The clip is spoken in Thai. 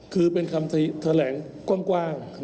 คือเป็นคำแถลงกว้าง